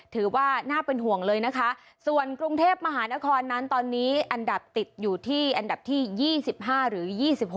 ถือว่าน่าเป็นห่วงเลยนะคะส่วนกรุงเทพมหานครนั้นตอนนี้อันดับติดอยู่ที่อันดับที่๒๕หรือ๒๖